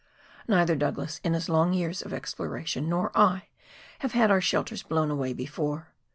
Neither Douglas in his long years of exploration, nor I, have had our shelters blown away before.